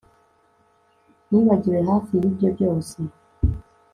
nibagiwe hafi yibyo byose